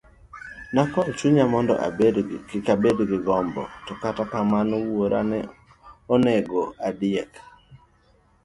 Nakwayo chunya mondo gik abed gi gombo, to kata kamano wuoro nonego ondiek.